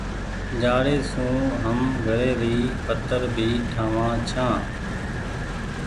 جآڙي سون هم گھري ري پتر ڀي ٺآ وآن ڇآن۔